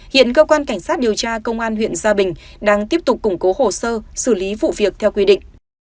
hiện cơ quan cảnh sát điều tra công an huyện gia bình đang tiếp tục củng cố hồ sơ xử lý vụ việc theo quy định